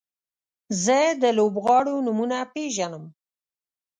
زه د لوبغاړو نومونه پیژنم.